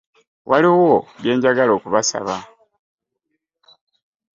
Waliwo bye njagala okubasaba.